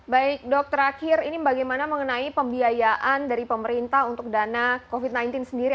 baik dok terakhir ini bagaimana mengenai pembiayaan dari pemerintah untuk dana covid sembilan belas sendiri